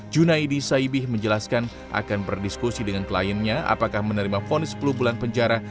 junaidi saibih menjelaskan akan berdiskusi dengan kliennya apakah menerima fonis sepuluh bulan penjara